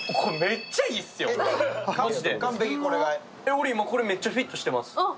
俺、今、これ、めっちゃフィットしてます。